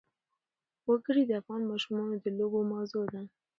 وګړي د افغان ماشومانو د لوبو موضوع ده.